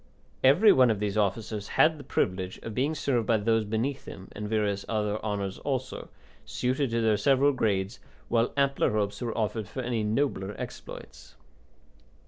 Every one of these officers had the privilege of being served by those beneath him, and various other honours also, suited to their several grades, while ampler hopes were offered for any nobler exploits.